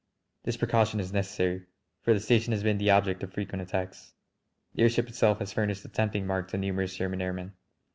This precaution is necessary, for the station has been the object of frequent attacks. The airship itself has furnished a tempting mark to numerous German airmen.